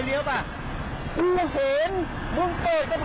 ทำไมครับมึงจะเอาอะสิ